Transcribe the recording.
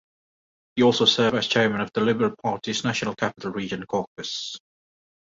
He also served as chairman of the Liberal Party's National Capital Region Caucus.